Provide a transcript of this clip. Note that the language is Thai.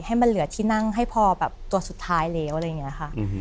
ให้มันเหลือที่นั่งให้พอแบบตัวสุดท้ายแล้วอะไรอย่างนี้ค่ะ